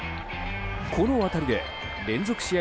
この当たりで連続試合